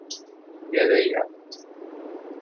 Yerra-aɣ-d.